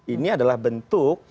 ini adalah bentuk